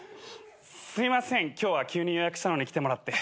すいません今日は急に予約したのに来てもらって。